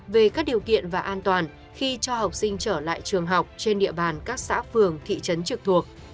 về các điều kiện và an toàn khi cho học sinh trở lại trường học trên địa bàn các xã phường thị trấn trực thuộc